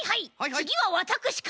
つぎはわたくしから。